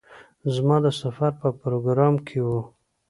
زما د سفر په پروگرام کې وه.